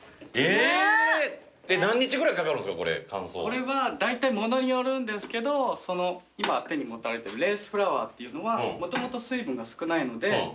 これはだいたいものによるんですけど今手に持たれてるレースフラワーっていうのはもともと水分が少ないので。